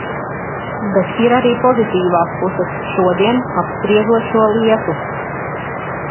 Bet ir arī pozitīvas puses, šodien apspriežot šo lietu.